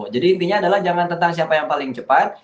jadi intinya adalah jangan tentang siapa yang paling cepat